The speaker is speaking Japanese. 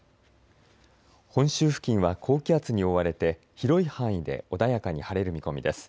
本州付近は高気圧に覆われて広い範囲で穏やかに晴れる見込みです。